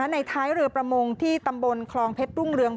ในท้ายเรือประมงที่ตำบลคลองเพชรรุ่งเรือง